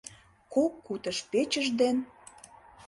Кок кутыш печыж ден